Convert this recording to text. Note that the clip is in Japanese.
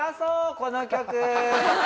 この曲。